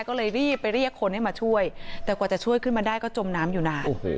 ก็เลยรีบไปเรียกคนให้มาช่วยแต่กว่าจะช่วยขึ้นมาได้ก็จมน้ำอยู่นาน